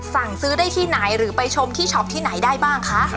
สั่งซื้อได้ที่ไหนหรือไปชมที่ช็อปที่ไหนได้บ้างคะ